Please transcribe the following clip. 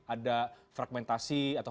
ada fragmentasi atau